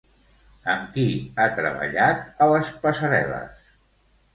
Amb qui ha treballat a les passarel·les?